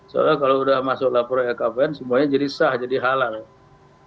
soalnya kalau sudah masuk laporan lkpn semuanya jadi sah jadi halal